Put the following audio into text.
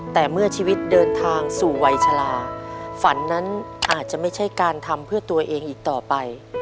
แต่เมื่อชีวิตเดินทางสู่วัยชะลาฝันนั้นอาจจะไม่ใช่การทำเพื่อตัวเองอีกต่อไป